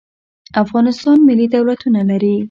افغانستان ملي دولتونه لري.